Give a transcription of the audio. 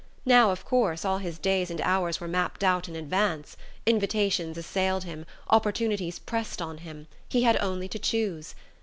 Now of course all his days and hours were mapped out in advance: invitations assailed him, opportunities pressed on him, he had only to choose....